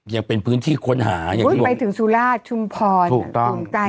ยังเป็นพื้นที่ค้นหายังคิดว่าพูดไปถึงสุราชชุมพรอุ่นใจมาก